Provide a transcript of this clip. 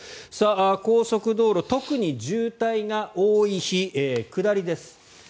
高速道路、特に渋滞が多い日下りです。